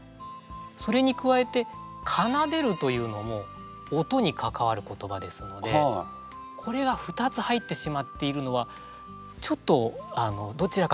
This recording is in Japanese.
それに加えて「奏でる」というのも音に関わる言葉ですのでこれが２つ入ってしまっているのはちょっとどちらかけずりたくなりますね。